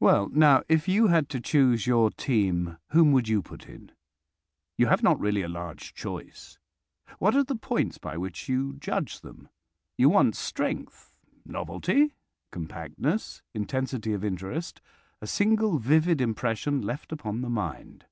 Well, now, if you had to choose your team whom would you put in? You have not really a large choice. What are the points by which you judge them? You want strength, novelty, compactness, intensity of interest, a single vivid impression left upon the mind.